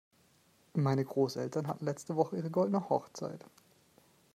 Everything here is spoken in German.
Meine Großeltern hatten letzte Woche ihre goldene Hochzeit.